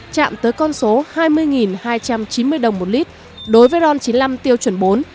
chạm tới con số hai mươi hai trăm chín mươi đồng một lít đối với ron chín mươi năm tiêu chuẩn bốn